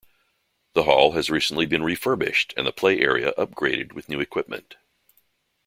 The Hall has recently been refurbished and the play area upgraded with new equipment.